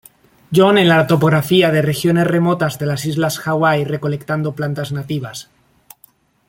John en la topografía de regiones remotas de las islas Hawái recolectando plantas nativas.